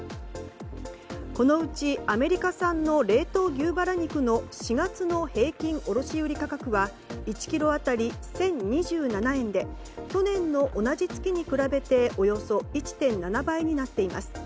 このうちアメリカ産の冷凍牛バラ肉の４月の平均卸売価格は１ｋｇ当たり１０２７円で去年の同じ月に比べておよそ１．７倍になっています。